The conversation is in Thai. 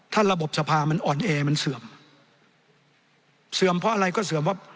ถ้าระบบสภามันอ่อนแอมันเสื่อมเสื่อมเพราะอะไรก็เสื่อมว่า